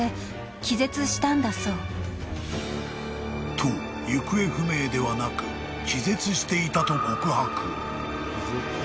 ［と行方不明ではなく気絶していたと告白］